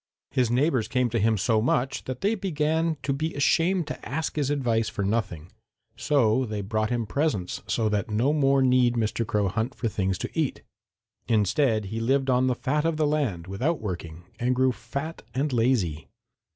His neighbors came to him so much that they began to be ashamed to ask his advice for nothing, so they brought him presents so that no more need Mr. Crow hunt for things to eat. Instead, he lived on the fat of the land without working, and grew fat and lazy.